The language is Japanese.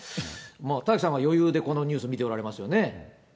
田崎さんは余裕でこのニュースを見ておられますよね。